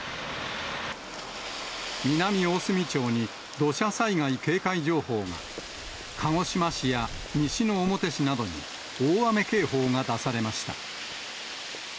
南大隅町に土砂災害警戒情報が、鹿児島市や西之表市などに大雨警報が出されました。